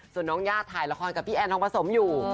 ส่วนน้องญาติถ่ายละครกับพี่แอนทองผสมอยู่